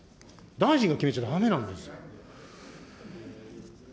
大臣が決めちゃだめなんですよ。